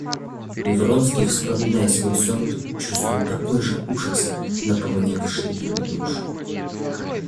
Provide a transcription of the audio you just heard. И Вронский, вспоминая свой сон, чувствовал такой же ужас, наполнявший его душу.